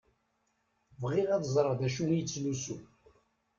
Bɣiɣ ad ẓṛeɣ dacu i yettlusu.